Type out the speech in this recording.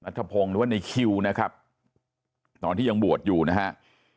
ธพงศ์หรือว่าในคิวนะครับตอนที่ยังบวชอยู่นะฮะ